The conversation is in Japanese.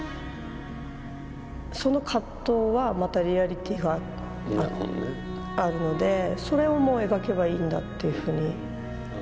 その葛藤はまたリアリティーがあるのでそれも描けばいいんだっていうふうに思う。